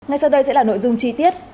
ngay sau đây sẽ là nội dung chi tiết